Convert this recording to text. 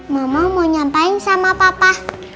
mama mau nyampai sama papa